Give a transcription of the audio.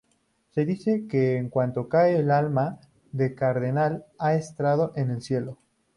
Se dice que cuando cae, el alma del cardenal ha entrado en el cielo.